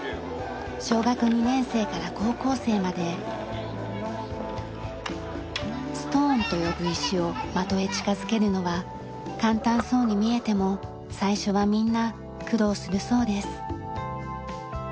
小学２年生から高校生までストーンと呼ぶ石を的へ近づけるのは簡単そうに見えても最初はみんな苦労するそうです。